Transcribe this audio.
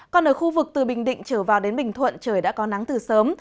còn ở khu vực từ bình định trở vào đến bình thuận trời đã có nắng từ sớm